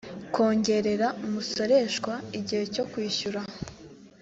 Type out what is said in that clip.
kongerera umusoreshwa igihe cyo kwishyura